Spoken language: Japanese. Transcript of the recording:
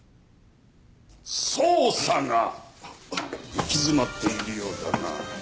捜査が行き詰まっているようだな